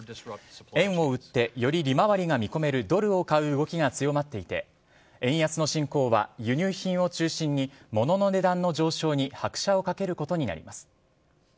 円を売ってより利回りが見込めるドルを買う動きが強まっていて、円安の進行は輸入品を中心に物の値段の上昇に拍車をかけることになります。